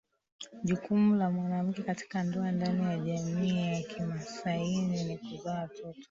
jukumu la mwanamke katika ndoa ndani ya jamii ya kimasaini ni kuzaa watoto